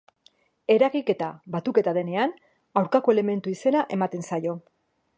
Eragiketa batuketa denean, aurkako elementu izena ematen zaio.